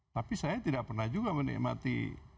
tapi saya tidak pernah juga menikmati